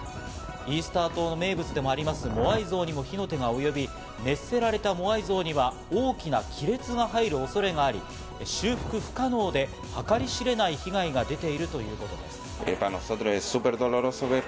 イースター島の名物でもあります、モアイ像にも火の手がおよび、熱せられたモアイ像には大きな亀裂が入る恐れがあり、修復不可能で計り知れない被害が出ているということです。